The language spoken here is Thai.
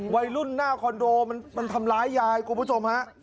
วัยรุ่นหน้าคอนโดมันทำร้ายยายคุณผู้ชมฮะ